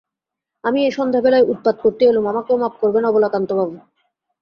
আমি এই সন্ধেবেলায় উৎপাত করতে এলুম, আমাকেও মাপ করবেন অবলাকান্তবাবু!